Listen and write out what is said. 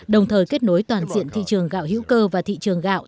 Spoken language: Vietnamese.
đồng thời kết nối toàn diện thị trường gạo hữu cơ và thị trường gạo